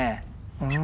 うん。